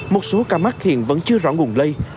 một số ca mắc hiện vẫn chưa rõ nguồn lây